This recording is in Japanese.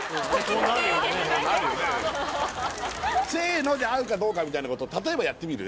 せーので合うかどうかみたいなこと例えばやってみる？